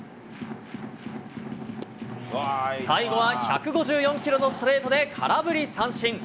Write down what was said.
最後は１５４キロのストレートで空振り三振。